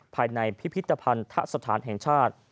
ภายในพิพิธภัณฑสถานแห่งชาติ